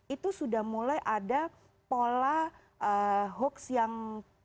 itu sudah mulai ada pola hoax yang